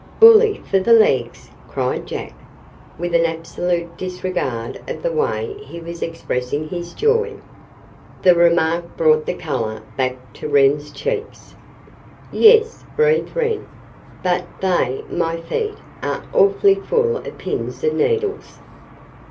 "Bully for the legs!" cried Jack, with an absolute disregard of the way he was expressing his joy. The remark brought the color bark to Wren's cheeks. "Yes," breathed Wren; "but they my feet are awfully full of pins and needles."